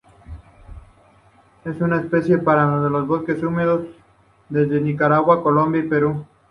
Es una especie rara en los bosques húmedos, desde Nicaragua a Colombia y Perú.